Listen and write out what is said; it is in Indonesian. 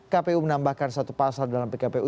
kpu menambahkan satu pasal dalam pkpu